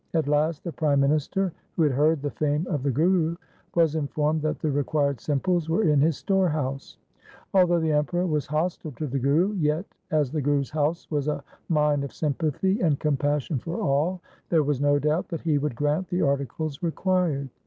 At last the prime minister, who had heard the fame of the Guru, was informed that the required simples were in his storehouse. Although the Emperor was hostile to the Guru, yet as the Guru's house was a mine of sympathy and compassion for all, there was no doubt that he would grant the articles required.